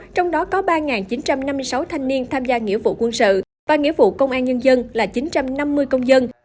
trong đó có ba chín trăm năm mươi sáu thanh niên tham gia nghĩa vụ quân sự và nghĩa vụ công an nhân dân là chín trăm năm mươi công dân